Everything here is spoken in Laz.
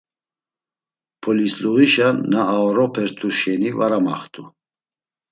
Polisluğişa na aoropert̆u şeni var amaxt̆u.